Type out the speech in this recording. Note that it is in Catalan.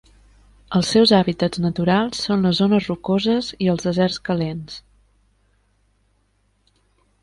Els seus hàbitats naturals són les zones rocoses i els deserts calents.